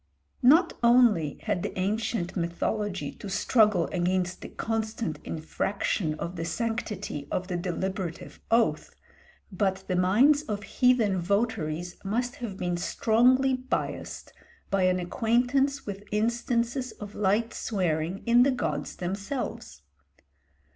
Not only had the ancient mythology to struggle against the constant infraction of the sanctity of the deliberative oath, but the minds of heathen votaries must have been strongly biassed by an acquaintance with instances of light swearing in the gods themselves.